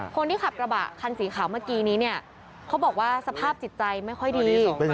คนที่ขับกระบะคันสีขาวเมื่อกี้นี้เนี่ยเขาบอกว่าสภาพจิตใจไม่ค่อยดี